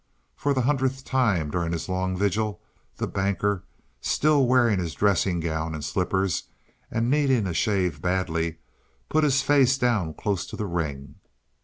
For the hundredth time during his long vigil the Banker, still wearing his dressing gown and slippers and needing a shave badly, put his face down close to the ring.